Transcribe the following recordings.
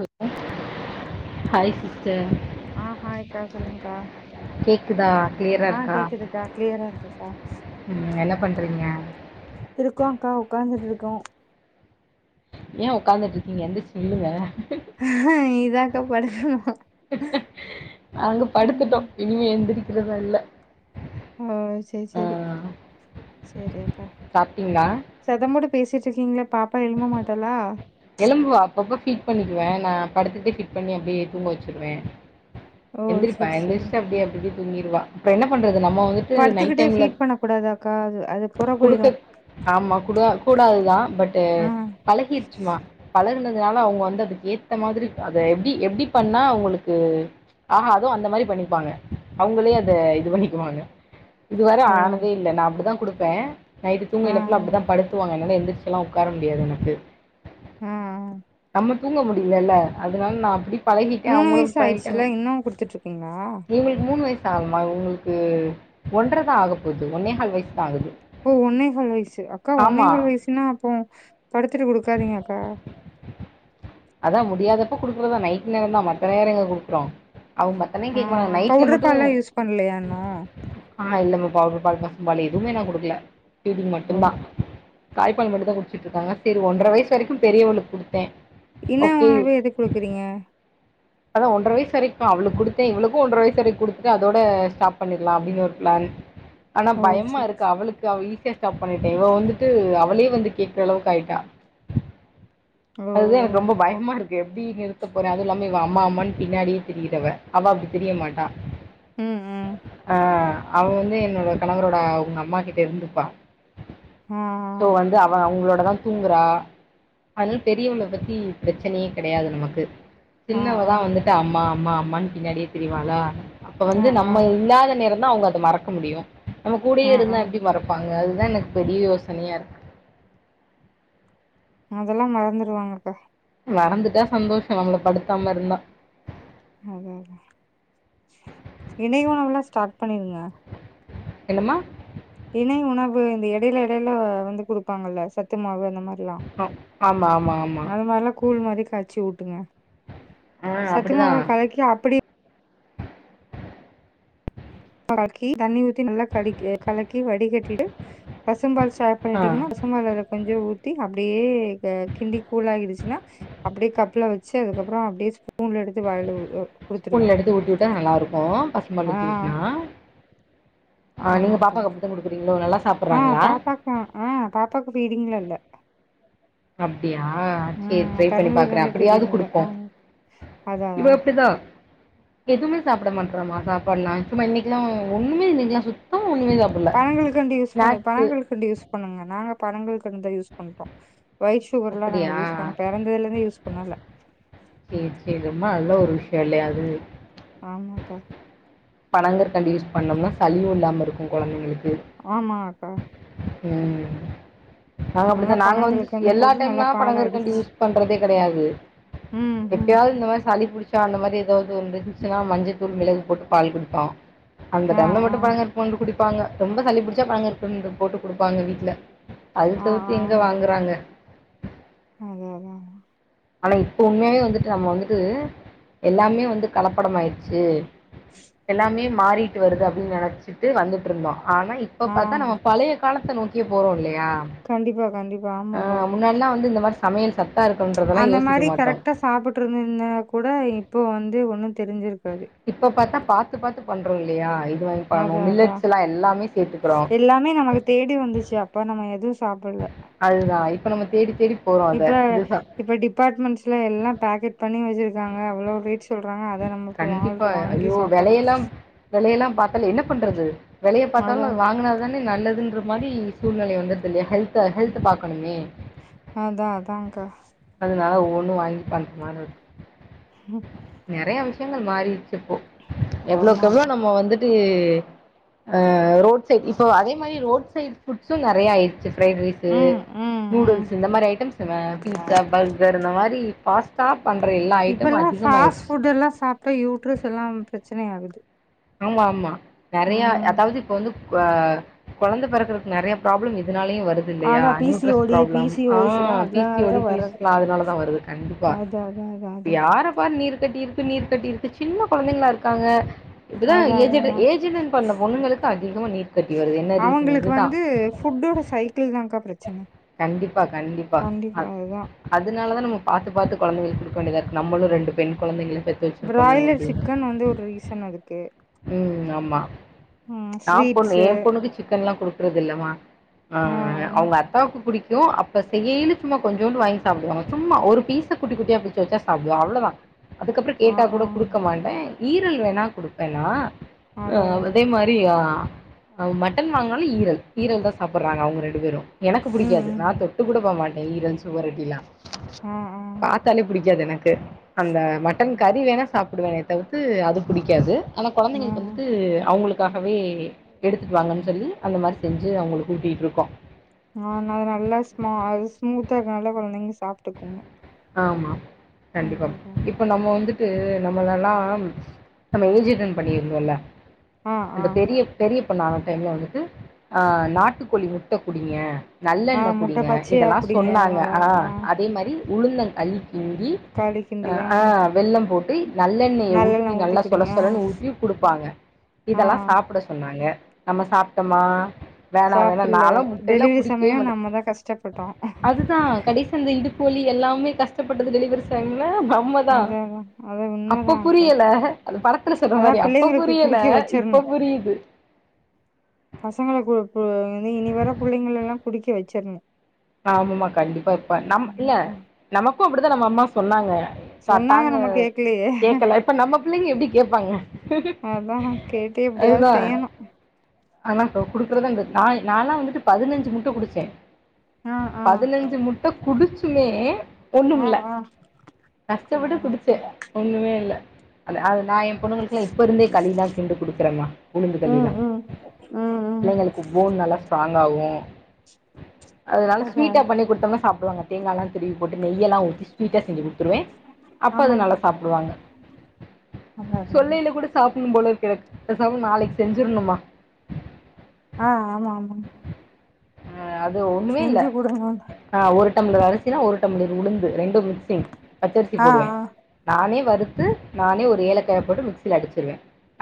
Hello hi sister ஆ ஹாயக்கா சொல்லுங்க்கா கேக்குதா கிளியரா ஆ இருக்கா கேக்குதுக்கா கிளியரா இருக்கேக்கா ம் என்ன பண்றீங்க இருக்கு அக்கா உக்காந்துட்டு இருக்கோ ஏ உக்காந்துட்டு இருக்கீங்க எந்துச்சு நில்லுங்க இதாக்க படுக்கனு நாங்க படுத்துட்டோ இனிமே எந்திரிக்கிறதா இல்ல செரி ஆ செரி செரித்தா சாப்ட்டீங்களா சதம்பூட பேசிட்டு இருக்கீங்களா பாப்பா எழுப மாட்டாளா எலும்புவா அப்ப அப்ப ஃபீட் பண்ணிடுவே நா படுத்துட்டே ஃபீட் பண்ணி அப்டியே தூங்க வச்சிருவே ஓ எந்திரிப்பா சேரி சேரி எந்துஞ்சு அப்டியே அப்டிஅப்டி தூங்கிடுவா அப்புறோ என்ன பண்றது நம்ம வந்துட் படுத்துக்கிட்டே ஃபீட் பண்ண கூடாதாக்கா அது அது புற போயிரு குடுக்க ஆமா குடோ கூடாதுதா பட்டு ம் பழகி கிச்சுமா பலர்னதுனால அவுங்க வந்து அதுக்கு ஏத்த மாதிரி அத எப்டி எப்டி பண்ணா அவுங்களுக்கு ஆஹா அது அந்த மாரி பண்ணிப்பாங்க அவுங்களே அத இது பண்ணிக்குவாங்க இதுவர ஓ ஆனதே இல்ல நா அப்டிதா குடுப்பே நைட்டு ஆ தூங்கியல ஃபுல்லா அப்டிதா படுத்துவாங்க அதனால எந்திரிச்ச லா உக்கார முடியாது எனக்கு ஹம் நம்ம தூங்க முடியலல்ல அதனால நா அப்டி பழகிட்டே மூணு அவுங்களு வயசு பழகிட்டாங்க ஆயிடுச்சுல இன்னு குடுத்துட்டு இருக்கீங்களா நீங்களுக்கு மூணு வயஸ் ஆமா இவ்ங்களுக்கு ஒன்றதா ஆக போது ஒன்னேகால் வயசு தா ஆகுது ஓ ஒன்னேகாள் வயசு அக்கா ஆமா ஒன்னேகாள் வயசுனா அப்போ படுத்துட்டு கொடுக்காதீங்க அக்கா அதா முடியாதப்போ கொடுக்குறதா நைட் நேரோ தா மத்த நேரோ எங்கே கொடுக்குறோ அவுங்க தன்னே ஆ கேக்த வேனா நைட்ல பவுடர் மட்டு பால்லா யூஸ் பண்லையா இன்னு ஆ இல்லமா பவுடர் பால் பசும் பால் எதுமே நா கொடுக்கல பிடிங் ஓ மட்டுந்தா தாய்பால் மட்டு தா குடிச்சுட்டு இருக்காங்க செரி ஒன்ற வயசு வரைக்கு பெரியவளுக்கு கொடுத்தே என்ன உன போய் எத குடுக்குறீங்க அதான் ஒன்ற வயச வரைக்கும் அவ்ளுக்கு குடுத்தன் இவளுக்கும் ஒன்ற வயச வரை கொத்துட்டு அதோட ஸ்டாப் பண்ணிடலாம் அப்டினு ஒரு பிளான் ஆனா ஓ பயமா செரி இருக்கு அவளுக்கு அவ ஈஸியா ஸ்டாப் பண்ணிட்டேன் இவ வந்து ட்டு அவளே வந்து கேக்ற அளவுக்கு ஆயிட்டா ஓ அதுதான் எனக்கு ரொம்ப பயமா இரு எப்டி நிறுத்த போறேன் அதுவும் இல்லாம இவ அம்மா அம்மான்னு பின்னாடியே திரியிறவ அவ அப்டி திரியமாட்டா ம் ம் ஆ அவ வந்து என்னோட கணவரோட அவுங்க அம்மா கிட்ட இருந்துப்பா ம் சோ வந்து அவனன அவங்களோடதான் தூங்குறா அதனால பெரியவள பத்தி பிரச்சனையே கிடையாது நமக்கு ஆ ஆ சின்னவதா வந்துட்டு அம்மா அம்மா அம்மான்னு பின்னாடியே தரியவாளா அப்ப ஆ வந்து நம்ம ஆ இல்லாத நேரம் தான் அவுங்க அத மறக்க முடியும் நம்ம கூடயே ஆ ஆ இருந்தா எப்டி மறப்பாங்க அதுதான் எனக்கு பெரிய யோசனையா இருக்கு அதல்லாம் மறந்துடுவாங்கக்கா மறந்துட்டா சந்தோஷம் நம்மள படுத்தாம இருந்தா அதா அதா இன்னைக்கும் உள்ள ஸ்டார்ட் பண்ணிருங்க என்னம்மா திணை உணவு இந்த இடைல இடைல வந்து குடுப்பாங்கல்ல சத்து மாவு அந்த மார் ல ஆ ஆமா ஆமா ஆமா. அது மார்ல்லாம் கூழ் மாரி கா ய்ச்சி ஊட்டுங்க ஆ சத்துமாவ அப்டிதான். கலக்கி அப்டியே வாக்கி தண்ணி ஊத்தி நல்லா கலக் கலக்கி வடிகட்டிட்டு பசும்பால் சாப் ஆ ரெடிங்கன்னா பசும்பால அதல கொஞ்சோ ஊத்தி அப்டியே க கிண்டி கூலாயிடுச்சுன்னா அப்டியே கப்ல வச்சு அதுக்கப்பறோ அப்டியே ஸ்பூன்ல எடுத்து வாய்ல ஊ எ ஸ்பூன்ல எடுத்து ஊட்டி விட்டா நல்லா இருக்கும் பசும்பால் ஆ ஊத்தி ஊட்டனா ஆ நீங்க ஆமாக்கா பாப்பாக்கு அப்டிதான் குடுக்கிறீங்களோ நல்லா சாப் ஆ பாப்பாக்கு ஆ பாப்பாக்கு பீடிங்லா இல்ல அப்டியா சேர் ம் ட்ரை பண்ணி பெறந்ததுல பாக்குறேன் இருந்தே அப்டியாவது ஃபீடிங்ல ஆ குடுப்போம் அதா அதா இவ இப்டிதா எதுவுமே சாப்ட மாட்றாமா சாப்பாட்லா சும்மா இன்னைக்கெல்லா ஒண்ணமே இன்னைக்கெல்லா சுத்தமா ஒண்ணுமே சாப் பனகல்கண்டு யூஸ் பண்ணு பனகல்கண்டு யூஸ் பண்ணுங்க நாங்க பனகல்கண்டுதான் யூஸ் பண்றோம் ஒய்ட் சுகர்ல்லா நாங்க அப்டியா யூஸ் பண் பெறந்ததிலிருந்தே யூஸ் பண்ணல சேர் சேர் ரொம்ப நல்ல ஒரு விஷயம் இல்லையா அது ஆமாக்கா பனங்கற்கண்டு யூஸ் பண்ணோம்னா சளியும் இல்லாம இருக்கும் கொழந்தைங்களுக்கு ஆமா அக்கா ம் நாங்க நல்லா அப்டித்தா நாங்க வந்து பனங்கல்கண்டு எல்லா போட்டு நல்லா டைம்லா பால் பனங்கற்கண்டு அடிச்சு யூஸ் பண்றதே கெடையாது ம் ம் எப்யாது இந்த மாரி சளி புடிச் சா அந்த மாரி ஏதாவது வந்து இருந்துச்சுன்னா மஞ்சத் தூள் மெளகு போட்டு பால் குடிப்போம் அந்த ஆ டைம்ல ஆ மட்டும் பனங்க போட்டு குடிப்பாங்க ரொம்ப சளி புடிச்சா பழங்கற்கண்டு போட்டு குடுப்பாங்க வீட்ல அது ஆ தவிர்த்து எங்க வாங்குறாங்க அதா அதா ஆனா இப்பவுமே வந்துட்டு நம்ம வந்துட்டு எல்லாமே வந்து கலப்படம் ஆயிடுச்சு எல்லாமே மாறிட்டு வருது அப்டின்னு நெனைச்சிட்டு வந்துட்டு இருந்தோம் ஆனா இப்ப ஆ பாத்தா நம்ம பழைய காலத்த நோக்கியே போறோம் இல்லையா கண்டிப்பா கண்டிப்பா ஆமாக்கா முன்னாடியெல்லா வந்து இந்த மாரி சமயல் சத்தா இருக்கனு அந்த மாரி கரெக்டா சாப்ட்டு இருந்தா கூட இப்போ வந்து ஒண்ணு தெரிஞ்சிருக்காது இப்ப பாத்தா பாத்து பாத்து பண்றோம இல்லையா இது வாங்கி அதா பண்ணோம் அதா மில்லட்ஸ்ல்லா எல்லாமே சேத்துகுறோ எல்லாமே நம்மளுக் தேடி வந்துச்சு அப்பா நம்ம எது சாப்பட்ல அதுதா இப்ப நம்ம தேடி தேடி போறோம் அத. இப்ப இதுதான். இப்ப டிபார்ட்மெண்ட்ஸ்ல எல்லா பேக்கெட் பண்ணி வச்சிருக்காங்க அவ்ளோ சொல்றாங்க அத நம்ம இப்ப கண்டிப்பா வாங்கிட்டு வாங்கி ஐயோ சாப்பிடுறோ வெலையெல்லாம் வெலையெல்லாம் பாத்தாலே என்ன பண்றது வெலைய பாத்தாலு அதா வாங்குனா தானே நல்லதுகுற மாரி சூழ்நிலை வந்துட் இல்லையா ஹெல்த ஹெல்த பாக்கணுமே அதா அதான்க்கா அதனால ஒவ்வொனு வாங்கி பண்ற மாரி இருக்கு நெறைய விஷயங்கள் மாறிடிச்சி இப்போ எவ்ளோக்கு எவ்ளோ ஆமாக்கா நம்ம வந்து ஆ ரோட் சைட் இப்போ அதே மாரி ரோட் சைட் புட்சும் நெறைய ஆயிரு பிரைட் ரைஸ்சு ம் ம் நூடுல்ஸ்சு ம் இந்த மாரி ஐட்டம்ஸ் பீஸா பர்கர் இந்த மாரி பாஸ் ஸ்டாப் பண்ணுற எல்லா ஐட்டமு அதிகமாயிடுச்சி அதெல்லா சாப் [unintelligible] யுட்ரெஸ் எல்லாம் பிரச்சனை ஆகுது ஆமா ஆமா நெறைய ம் அதாவது இப்ப வந்து குவ கொழந்த பெறக்கறக்கு நெறைய ப்ராப்ளம் இதனாலயு வருது இல்லையா அதா பி சி ஓ நியூட்ரஸ் D B problem C O ஆ எஸ் எல்லா பிசி அதனாலதா ஓடி பீஸ் வர்றது லா அதனால தா வருது கண்டிப்பா அதா அதா அதா இப்ப அதா யாரப்பாரு நீர் கட்டியிருக்கு நீர் கட்டியிருக்கு சின்ன கொழந்தைங்களா இருக்காங்க இப்ப தா அதா ஏஜ் அதா எடு அதா ஏஜ் அட்டன் பண்ண பொண்ணுங்களுக்கு அதிகமா நீர் கட்டி வருது என்ன ரீசன் இதுதா புட்டோட சைக்கிள் தாங்கா பிரச்சன கண்டிப்பா கண்டிப்பா அதனால தா நம்ம பாத்துபாத்து கொழந்தைகளுக்கு குடுக்க வேண்டியத இருக்கு நம்மளு ரெண்டு பெண் கொழந்தைகள பெத் பிராயலர் சிக்கன் வந்து ஒரு ரீசன் அதுக்கு உம் ஆமா ம் நா பொண்ணு ஸ்வீட்ஸு என் பொண்ணுக்கு சிக்கன்ல்லா கொடுக்குறது இல்லமா ஆ ம் அவங்க அத் குடிக்கூ அப்ப செய்யீனு கொஞ்சோண்டு வாங்கி சாப்டுவா சும்மா ஒரு பீஸ்சு குட்டி குட்டியா பிச்சுவச்சா சாப்பிடுவா அவ்ளோதா அதுக்கப்ரோ ஆ கேட்டா கூட ஆ கொடுக்க மாட்டே ஈரல் வேணா கொடுப்பேன்னா அ அதா அதா அதே மாரி மட்டன் வாங்குனாலு ஈரல் ஈரல் தா சாப்புடுறாங்க அவுங்க ரெண்டு பேரு எனக்கு ம் பிடிக்காது ம் நா தொட்டு கூட பாகமாட்டே ஈரல் சுவரட்டிலா ஆ ஆ பாத்தாலே புடிக்காது எனக்கு அந்த மட்டன் கறி வேணா சாப்புடுவேண தவுத்து அது பிடிக்காது ஆனா ஆ கொழந்தைங்களுக்கு வந்து த்து அவங்களுக்காகவே எடுத்துட்டு வாங்கன்னு சொல்லி அந்த மாதிரி செஞ்சு அவங்களுக்கு ஊட்டிகட்டு இருக்கோ ஆ அது நல்லா ஸ்சுமா ஸ்மூத்தா இருக்குனால கொழந்தைங்க சாப்பிட்டுக்குங்க ஆமா கண்டிப்பா அதா இப்ப நம்ம வந்து நம்மளல்லாம் நம்ம ஏஜ் ஜன் பண்ணிருந்தோல ஆ ஆ அந்த பெரிய பெரிய பொண்ண ஆன டைம்ல வந்துட்டு அ நாட்டுக்கோழி முட்ட குடிங்க ஆ நல்லெண்ண முட்ட குடிங்க பச்சையா இதெல்லா குடிங்க சொன்னாங்க நல்லா ஆனா ஆ அதே மாரி உளுந்த கழி கிண்டி களி கிண்டி அ ஆ ம் வெள்ளம் போட் நல்லெண்ணெய நல்லெண்ண ஊத்தி நல்லா சொல்ல குடிங்க சொல்லன்னு ஊத்தி குடுப்பாங்க ஆ இதெல்லாம் சாப்பிட சொன்னாங்க நம்ம சாப்ட்டோமா வேணா வேணா சாப்புல்ல நாலூ முட்டையல்லா டெலிவரி குடிக்கவே சமயோ மாட்டே நம்மதா கஷ்டப்பட்டோ அதுதான் கடெ அந்த இடுப்போலி எல்லாமே கஷ்டப்பட்டது டேளிவரி சமய்ல உண்ம தா அத அதா அது அப்ப உண்மதான்க்கா புரியல அது படத்துல சொல்ற அதா மாரி அப்ப பிள்ளைங்களுக்கு புரியல குடிக்க இப்போ வச்சிர்ணு புரியுது பசங்கள கு கு இனி இனி வர புள்ளைங்கல்லா குடிக்க வச்சிர்ங்க ஆமாமா கண்டிப்பா இப்பா நம் இல்ல ஆ நமக்கும் அப்படித்தா நம்ம அம்மா சொன்னாங்க சோ சொன்னாங்க அதாங்க நம்ம கேக்கலையே கேட்கல இப்ப நம்ம பிள்ளைங்க எப்படி கேட்பாங்க அதா கேட்டு எப்படியாவது செய்யணோ ஆனா இப்ப குடுக்குறது நானல்லா வந்துட்டு பதினஞ்சு முட்ட குடிச்சே ஆ ஆ பதினஞ்சு முட்ட குடிச்சுமே ஆ ஒன்னுமில்ல ஆ ஆ கஷ்டப்பட்டு குடிச்சே ஒண்ணுமே இல்ல அ அத நா ஏம் பொண்ணுங்களுக்ல்லா இப்பே இருந்தே கலிதா கிண்டி குடுக்குறோ மா உளுந்து ம் கலிதா ம் ம் ம் பிள்ளைங்களுக்கு போன் நல்லா ஸ்ட்ராங் ஆகும் அது அதா சுவீட்டா அதா பண்ணி கொடுத்தோம்னா சாப்பிடுவாங்க தேங்கால்லா திருவி போட்டு நெய்ல்லா ஊத்தி ஸ்வீட்டா செஞ்சு கொடுத்துருவே அப்ப அது நல்லா ஆமாங்க்கா சாப்பிடுவாங்க அதா அதா சாப்பட்னோம் போல இருக்கு பேசாம நாளைக்கி செஞ்சிட்ணுமா ஆஹ் ஆமா ஆமாங் ஆ அது ஒண்ணுமே இல்ல எனக் வேண்டா ஆ ஒரு டம்ளர் அரிசினா ஒரு டம்ளர் உளுந்து ரெண்டூ மிக்சிங் பச்சரிசி ஆ போடுவே ஆ நானே வறுத்து நானே ஒரு ஏலக்காய போட்டு மிக்சியில அடிச்சிருவே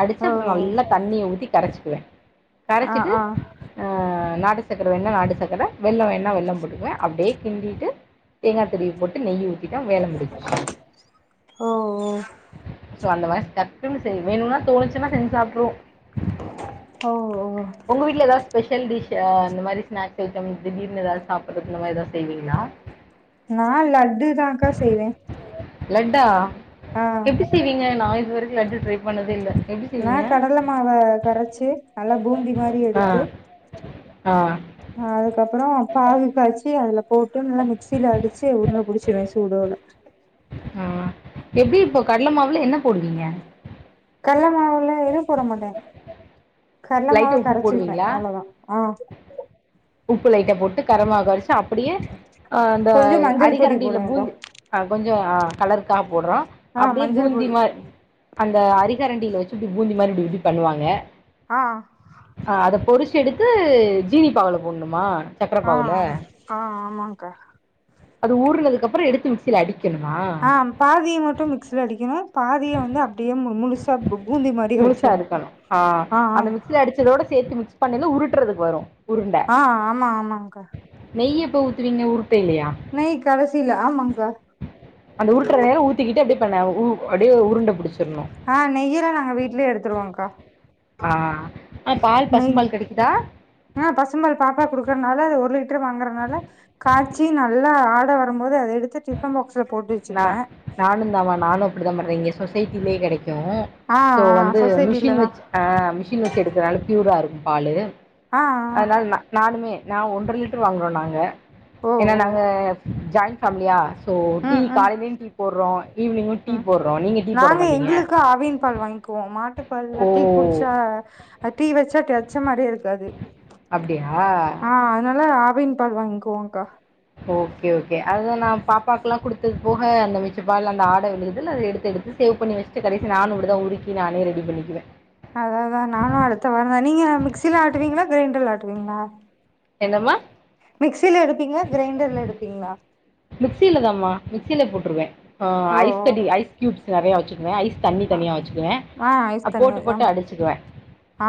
அடிச்சு ஓ அப்புறோ ஓ நல்லா தண்ணிய ஊத்தி கரைச்சிக்குவே ஆ கரைச்சிட்டு ஆ ஆ நாட்டு சக்கர வேண்ணா நாடு சக்கர வெள்ளோ வேண்ணா வெள்ளோ போட்டுக்குவே அப்படியே கிண்டிட்டு தேங்காய் த்ரூவி போட்டு நெய் ஊத் போட் இதா வேல முடிஞ் ஓ ஓ சோ அந்த மாரி டக்குனூ செய்வே வேணும்னா தோணுச்சுன்னா செஞ்சு சாப்பிட்றுவோ ஓ ஓ உங்கவீட்ல எதாவது ஸ்பெஷல் டிஷ் அ அந்த மாரி ஸ்நேக்ஸ் ஐட்டம் திடீர்னு ஏதாவது சாப்பிட்றதுன்னு இந்த மாரி எதாவது செய்வீங்களா நா லட்டுதாங்கா செய்வே லட்டா ஆ எப்டி செய்வீங்க நா இது வரைக்கும் லட்டு ட்ரை பண்ணதே இல்ல நா கடலை மாவ கரைச்சு நல்லா பூந்தி மாதிரி ஆ எடுத்து ஆ அதுக்கப்புறோ பாகு காய்ச்சி அதுல போட்டு நல்லா மிக்சியில அடிச்சு உருண்ட புடிச்சிருவே சூடோட ம் எப்டி இப்போ கடல மாவுல என்ன போடுவீங்க கல்ல மாவுல எதுவும் போட மாட்டே கடலை மாவ லைட்டாக உப்பு கரைச்சிருப்பே போடுவீங்களா அவ்ளோதா ஆ உப்பு லைட்ட போட்டு கடல் மாவு கரச்சி அப்டியே அ அந்த கொஞ்சோ மஞ்சள் பொடி அரிகரண்டியில போடுவேக்கா பூந்தி ஆ கொஞ்சோ அ கலருக்காக போட்றோ ஆ அப்படியே மஞ்சள் பூந்தி பொடி மாரி அந்த அரிகரண்டியில வச்சு இப்புடி பூந்தி மாதிரி இப்டி இப்டி பண்ணுவாங்க ஆ ஆ அத பொறிச்சு எடுத்து ஜீனி பாவ்ல போட்ணுமா சக்கர ஆ பாவ்ல ஆ ஆமாங்க்கா அது ஊறனதுக்கு அப்புறோ எடுத்து மிக்சில அடிக்கணுமா ஆ பாதிய மட்டு மிக்சில அடிக்கணும் பாதிய வந்து அப்படியே முழுசா பூ பூந்தி மாரியே முழுசா வெச்சிட்ணோ இருக்கணு ஆ அந்த மிக்சில அடிச்சதோட சேத்து மிக்ஸ் பண்ணைல உருட்றதுக்கு வரு உருண்ட ஆ ஆமா ஆமாங்க்கா நெய்ய எப்போ ஊத்துவீங்க உருட்டய்லயா நெய் கடைசில ஆமாங்க்கா சுத்தி கிட்டே அப்டியே பண்ண உ அப்டியே உருண்ட புடிச்சிரணு ஆ நெய்யல்லா நாங்க வீட்லயே எடுத்துடுவோங்க்கா ஆ பால் பசும் நெய் பால் கெடைக்குதா ஆ பசும்பால் பாப்பா குடுக்குறனால அது ஒரு லிட்டர் வாங்கறனால காய்ச்சி நல்லா ஆட வருபோது அத எடுத்து டிஃபன் பாக்ஸ்ல போட்டு வச்சுருப்ப நானு தா மா நானு அப்டிதா பண்ற இங்க சொசைட்டிலே கெடைக்கு ஆ சோ ஆ வந்து மிஷின் சொசைட்டிலதா வச்சு அ மிஷின் வச்சு எடுக்கனால ப்யூரா இருக்கு பாலு ஆ ஆ அதனால நா நானுமே நான் ஒன்ற லிட்டர் வாங்குறோ நாங்க ஓ ஏன்னா ஓ நாங்க ஜாயிண்ட் ஃபேமிலியா ஸோ டீ ம் ம் காலைலயு டீ போட்றோ ஈவினிங்கு டீ ம் போட்றோ நீங்க டீ போட நாங்க மாட்டீங்க எங்களுக்கு ஆவின் பால் வாய் ங்குவோ மாட்டுப்பால்ல்ல ஓ டீ குடிச்சா டீ வச்சா டெரச்ச மாரியே இருக்காது அப்டியா ஆ அதனால ஆவின் பால் வாங்க்வோகா ஓகே ஓகே அத நா பாப்பாக்குலா குடு அது போக அந்த மிச்சப்பால்ல அந்த ஆட விழுதுல அத எடுத்தெடுத்து சேவ் பண்ணி வச்சுட்டு கடைசி நானு அப்டிதா உருக்கி இது நானே ரெடி பண்ணிக்குவ அதா தா நானு அடுத்த வாரந்தா நீங்க மிக்சில ஆட்டுவீங்களா கிரைண்டர்ல ஆட்டுவீங்களா என்னம்மா மிக்சில எடுப்பீங்ளா கிரைண்டர்ல எடுப்பீங்ளா மிக்சிலதாமா மிக்சில போட்ருவ ஆ ஓ ஐஸ் ஓ கட்டி ஐஸ் கயூப்ஸ் நெறயா வச்சுக்குவ ஐஸ் தண்ணி ஆ தனியா வச்சுக்குவ ஆ ஐஸ் அப் தண்ணி போட்டு போட்டு ஆமா அடிச்சுக்குவ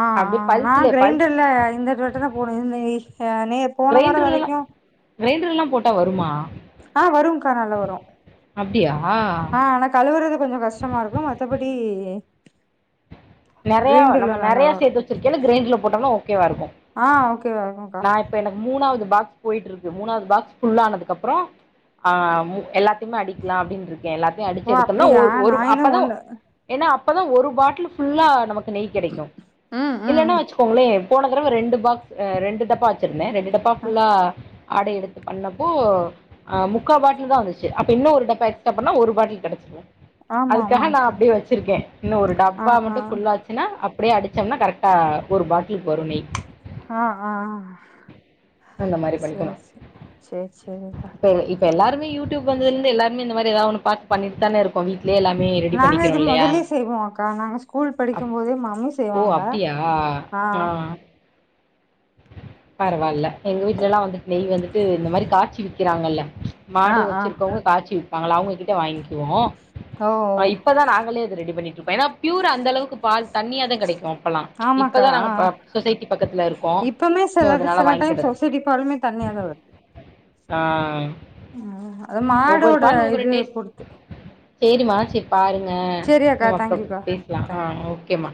ஆ ஆ நா கிரைண்டர்ல இந்த வட்ட தா போடனுன் இருக்கே நீங்க போன வார வரைக்கு கிரைண்டர்ல்லா போட்டா வருமா ஆ வருங்க்கா நல்லா வரு அப்டியா ஆ ஆனா கழுவுறது கொஞ்சோ கஷ்டமாருக்கு மத்தபடி நெறயா கிரைண்டர்ல நம்ம நல்லா நெறயா வரு சேத்து வச்சுருக்கைல கிரைண்டர்ல போட்டோம்னா ஓகேவா இருக்கு ஆ ஓகேவாங்கக்கா நா இப்ப எனக்கு மூணாவது பாகஸ் போய்ட்ருக்கு மூணாவது பாக்ஸ் ஃபுல்லா ஆனதுக்கு அப்பற ஆ எல்லாத்தையுமே அடிக்லா அப்டின் இருக்க எல்லாத்தையு ஓ அடிச்சு எடுத்தோம்னா அப்டியா ஒரு நா ஒரு என்ன அப்பதா ஒண்ணு ஏன்னா அப்பதா ஒரு பாட்டில் ஃபுல்லா நமக்கு நெய் கிடைக்கு ம் ம் இல்லனா போங்ளே போன தடவ ரெண்டு பாக்ஸ் ரெண்டு டப்பா வச்சிருந்தே ரெண்டு டப்பா அ ஃபுல்லா ஆடை எடுத்து பண்ணப்போ ஆ முக்கா பாட்டில் தா வந்துச்சு அப்ப இன்னொரு டப்பா எக்ஸ்ட்ரா பண்ணா ஒரு பாட்டில் கெடச்சுடு ஆமா அதுக்காக நா ஆமாங்க்கா அப்டியே வச்சிருக்க இன்னு ஒரு டப் ஆ மட்டு ஃபுல்லாச்சுனா அப்டியே அடிச்சோம்னா கரெக்டா ஒரு பாட்டிலுக்கு வரு நெய் ஆ ஆ அந்த மாதிரி சர் பண்ணிக்கணும் சரி சர் சரிப்பா இப்ப எல்லாருமே யூடியூப் வந்ததுலருந்து எல்லாருமே இந்த மாரி எதாவது ஒன்னு பாத்து பண்ணிட்டு தானே இருக்கோ வீட்லயே எல்லாமே ரெடி நாங்க பண்ணிக்கிறோ இது இல்லையா முதலே செய்வோம் அக்கா நாங்க ஸ்கூல் அப் படிக்கும் போதே மம்மி ஓ செய்வாங்க அப்டியா ஆ பரவால்ல எங்க வீட்லல்லா வந்துட்டு நெய் வந்துட்டு இந்த மாரி காய்ச்சி விக்கிறாங்கல்ல ஆ மாடு ஆ வச்சிருக்கவங்க காய்ச்சி விப்பாங்கல்ல அவங்ககிட்ட வாங்கிக்கிவோ ஓ இப்பதா நாங்களே ரெடி பண்ணிட்ருக்கோ ஏன்னா பியூரா அந்த அளவுக்கு பால் தண்ணியா தா கெடைக்கு பலா ஆமாக்கா இப்பதா நாங்க சொசைட்டி பக்கத்துல இருக்கோ இப்பவுமே சிலட்ட சில டைம் சொசைடி பாலுமே தண்ணியா தா வருது ஆ அ அது மாடோட இது பொருத்து சேரி மாச்சிய பாருங்க சேரி அக்கா நம்ம அப்றோ தேங்க்யூக்கா பேசலா தேங்க்யூ ஆ ஓக்கேமா